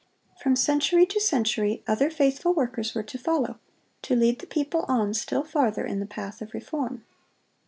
From century to century, other faithful workers were to follow, to lead the people on still farther in the path of reform.